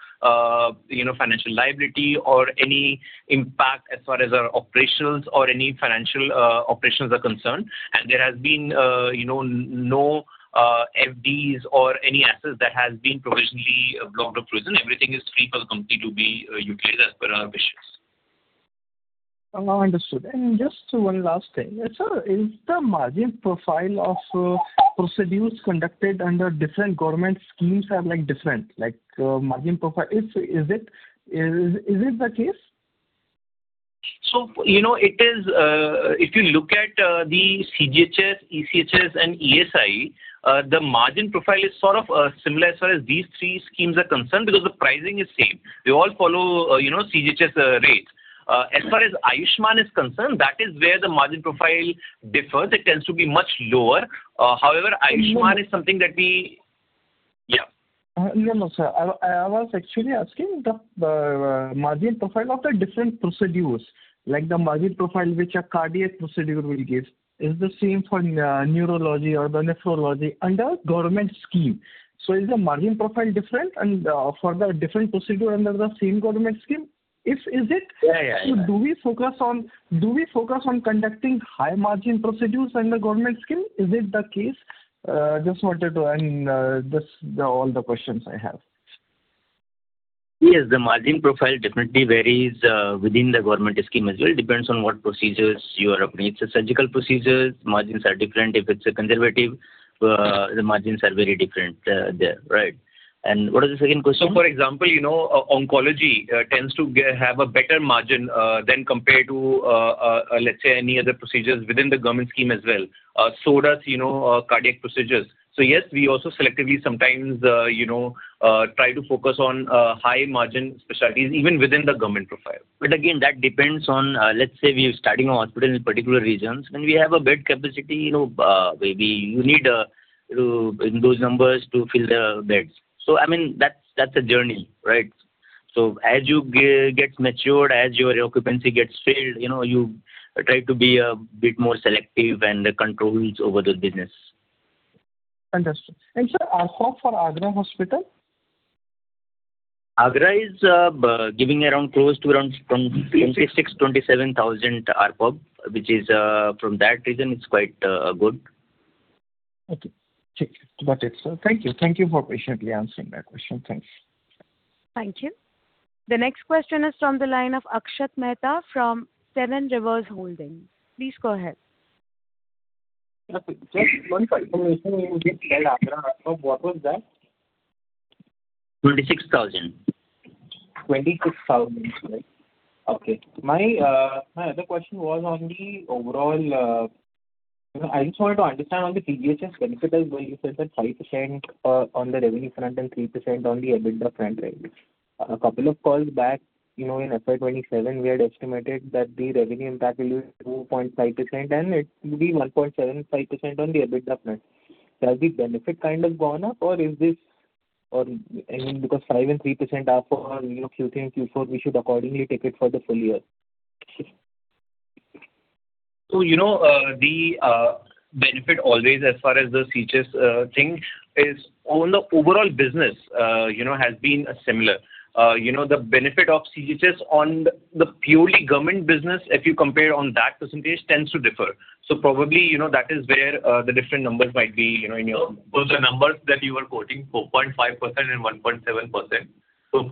financial liability or any impact as far as our operations or any financial operations are concerned. There has been no FDs or any assets that has been provisionally blocked or frozen. Everything is free for the company to be utilized as per our wishes. Understood. Just one last thing. Sir, is the margin profile of procedures conducted under different government schemes are different? Like margin profile, is it the case? If you look at the CGHS, ECHS, and ESIC, the margin profile is sort of similar as far as these three schemes are concerned, because the pricing is same. They all follow CGHS rates. As far as Ayushman is concerned, that is where the margin profile differs. It tends to be much lower. However, Ayushman is something that we. No, sir. I was actually asking the margin profile of the different procedures, like the margin profile which a cardiac procedure will give, is the same for neurology or the nephrology under government scheme. Is the margin profile different and for the different procedure under the same government scheme? Yeah. Do we focus on conducting high margin procedures under government scheme? Is it the case? That's all the questions I have. The margin profile definitely varies within the government scheme as well. It depends on what procedures you are applying. If it's a surgical procedure, margins are different. If it's a conservative, the margins are very different there. What is the second question? For example, oncology tends to have a better margin than compared to, let's say, any other procedures within the government scheme as well. Does cardiac procedures. Yes, we also selectively sometimes try to focus on high margin specialties even within the government profile. Again, that depends on, let's say, we are starting a hospital in particular regions, and we have a bed capacity, maybe you need those numbers to fill the beds. I mean, that's a journey, right? As you get matured, as your occupancy gets filled, you try to be a bit more selective and the control is over the business. Understood. Sir, ARPOB for Agra hospital? Agra is giving close to around 26,000, 27,000 ARPB, which from that region is quite good. Okay. That's it, sir. Thank you for patiently answering my question. Thanks. Thank you. The next question is from the line of Akshat Mehta from Seven Rivers Holdings. Please go ahead. Okay. Just one clarification you gave earlier. What was that? 26,000. 26,000. Okay. My other question was on the CGHS benefit as well, you said that 5% on the revenue front and 3% on the EBITDA front, right? A couple of calls back, in FY 2027, we had estimated that the revenue impact will be 2.5% and it will be 1.75% on the EBITDA front. Has the benefit gone up? Because 5% and 3% are for a few things, we should accordingly take it for the full year? The benefit always as far as the CGHS thing is on the overall business has been similar. The benefit of CGHS on the purely government business, if you compare on that percentage tends to differ. Probably, that is where the different numbers might be in your. Those are numbers that you are quoting, 4.5% and 1.7%. 4.5%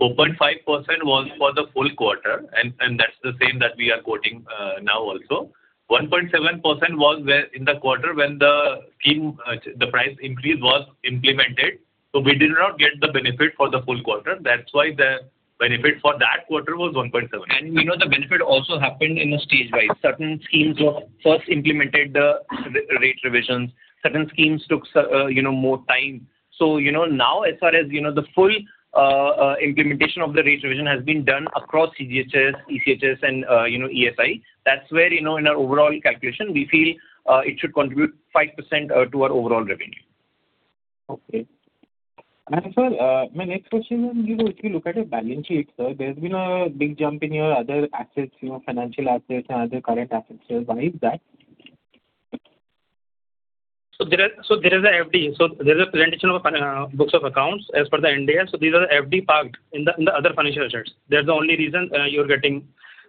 was for the full quarter, and that's the same that we are quoting now also. 1.7% was in the quarter when the price increase was implemented. We did not get the benefit for the full quarter. That's why the benefit for that quarter was 1.7%. The benefit also happened in a stage where certain schemes were first implemented, the rate revisions. Certain schemes took more time. Now as far as the full implementation of the rate revision has been done across CGHS, ECHS, and ESI. That's where in our overall calculation, we feel it should contribute 5% to our overall revenue. Okay. Sir, my next question is, if you look at your balance sheet, sir, there's been a big jump in your other assets, financial assets and other current assets. Why is that? There is a transition of books of accounts as per the Ind AS. These are FD parked in the other financial assets. That's the only reason you're getting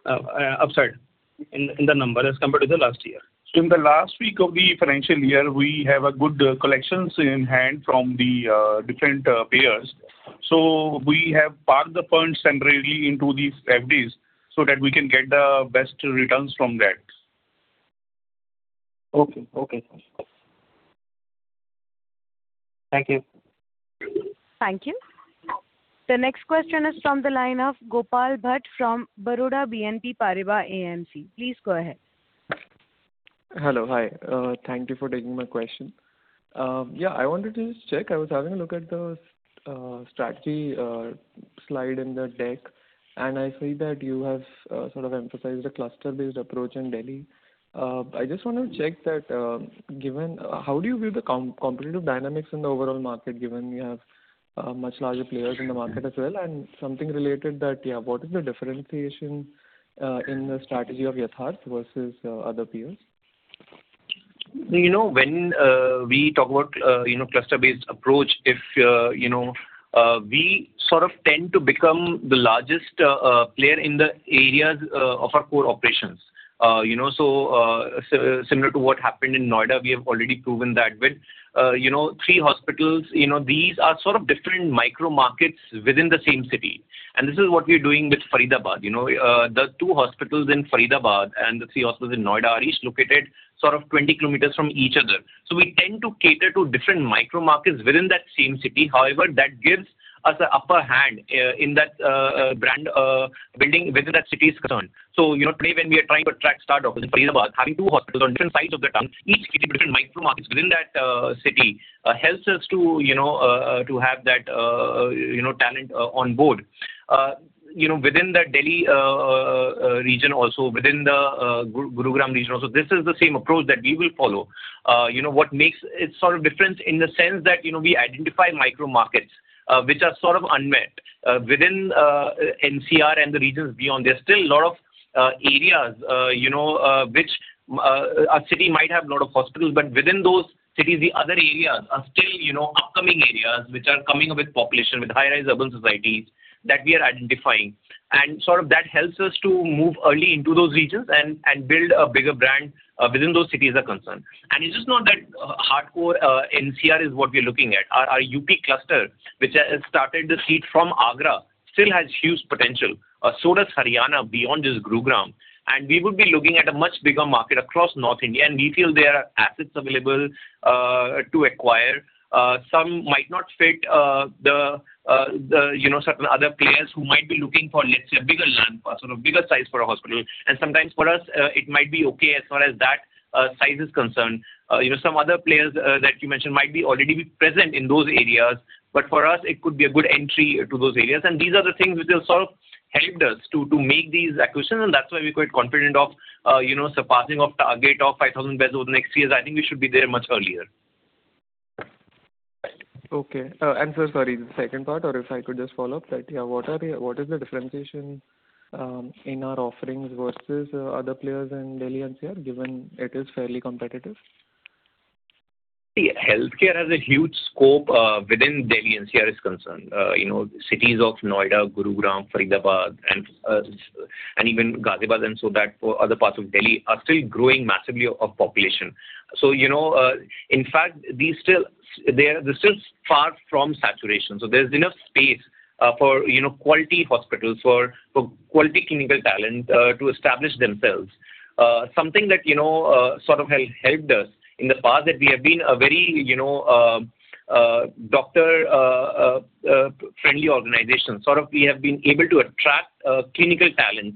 upside in the numbers as compared to the last year. In the last week of the financial year, we have good collections in hand from the different payers. We have parked the funds temporarily into these FDs so that we can get the best returns from that. Okay. Thank you. Thank you. The next question is from the line of [Gopal Bhatt] from Baroda BNP Paribas AMC. Please go ahead. Hello. Hi. Thank you for taking my question. I wanted to just check. I was having a look at the strategy slide in the deck, and I see that you have sort of emphasized the cluster-based approach in Delhi. I just want to check that how do you view the competitive dynamics in the overall market, given you have much larger players in the market as well? Something related that, what is the differentiation in the strategy of Yatharth versus other peers? When we talk about cluster-based approach, we sort of tend to become the largest player in the areas of our core operations. Similar to what happened in Noida, we have already proven that with three hospitals. These are sort of different micro markets within the same city, and this is what we're doing with Faridabad. The two hospitals in Faridabad and the three hospitals in Noida are each located sort of 20 km from each other. We tend to cater to different micro markets within that same city. However, that gives us the upper hand in that brand building within that city is concerned. Today when we are trying to track start our hospitals in Faridabad, having two hospitals on different sides of the town, each cater to different micro markets within that city, helps us to have that talent on board. Within the Delhi region also, within the Gurugram region also, this is the same approach that we will follow. What makes it sort of different in the sense that we identify micro markets which are sort of unmet within NCR and the regions beyond. There's still a lot of areas which a city might have a lot of hospitals, but within those cities, the other areas are still upcoming areas which are coming up with population, with higher level society that we are identifying. Sort of that helps us to move early into those regions and build a bigger brand within those cities are concerned. It's just not that hardcore NCR is what we're looking at. Our UP cluster, which has started to seed from Agra, still has huge potential. Does Haryana beyond just Gurugram. We would be looking at a much bigger market across North India, and we feel there are assets available to acquire. Some might not fit the certain other players who might be looking for let's say a bigger land parcel, bigger size for a hospital. Sometimes for us, it might be okay as far as that size is concerned. Some other players that you mentioned might be already be present in those areas, but for us, it could be a good entry to those areas. These are the things which have sort of helped us to make these acquisitions, and that's why we're quite confident of surpassing our target of 5,000 beds over the next years. I think we should be there much earlier. Okay. Sir, sorry, the second part, or if I could just follow up that what is the differentiation in our offerings versus other players in Delhi NCR, given it is fairly competitive? Healthcare has a huge scope within Delhi NCR is concerned. Cities of Noida, Gurugram, Faridabad, and even Ghaziabad and other parts of Delhi are still growing massively in population. In fact, they're still far from saturation. There's enough space for quality hospitals, for quality clinical talent to establish themselves. Something that has helped us in the past is that we have been a very doctor-friendly organization. We have been able to attract clinical talent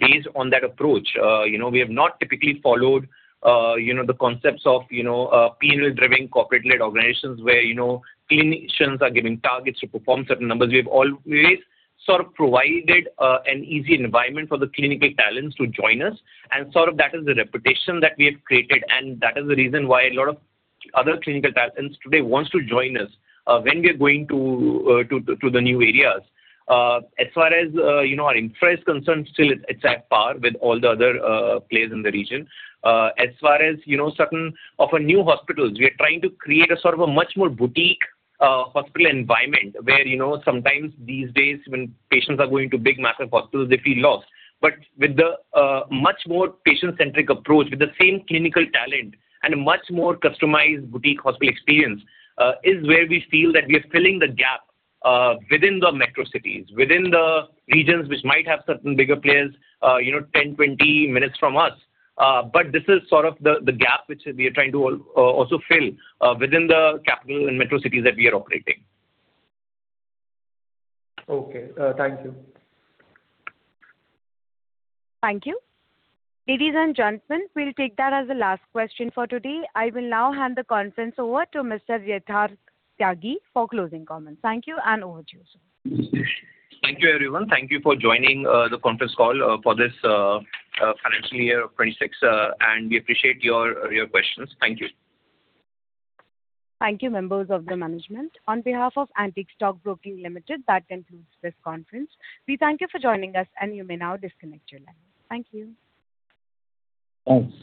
based on that approach. We have not typically followed the concepts of P&L-driven, corporate-led organizations where clinicians are giving targets to perform certain numbers. We've always provided an easy environment for the clinical talents to join us, and that is the reputation that we have created, and that is the reason why a lot of other clinical talents today want to join us when we are going to the new areas. As far as infra is concerned, still it's at par with all the other players in the region. As far as certain of our new hospitals, we are trying to create a much more boutique hospital environment where, sometimes these days when patients are going to big massive hospitals, they feel lost. With the much more patient-centric approach, with the same clinical talent and a much more customized boutique hospital experience, is where we feel that we are filling the gap within the metro cities, within the regions which might have certain bigger players 10, 20 minutes from us. This is the gap which we are trying to also fill within the capital and metro cities that we are operating. Okay. Thank you. Thank you. Ladies and gentlemen, we'll take that as the last question for today. I will now hand the conference over to Mr. Yatharth Tyagi for closing comments. Thank you, and over to you, sir. Thank you, everyone. Thank you for joining the conference call for this financial year 2026, and we appreciate your questions. Thank you. Thank you, members of the management. On behalf of Antique Stock Broking Limited, that concludes this conference. We thank you for joining us, and you may now disconnect your line. Thank you. Okay.